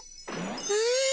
え！